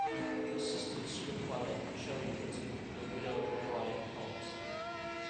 Her sister is scriptwriter Cherry Britton, the widow of Brian Cant.